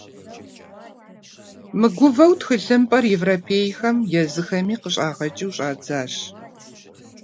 Мыгувэу тхылъымпӏэр европейхэм, езыхэми къыщӏагъэкӏыу щӏадзащ.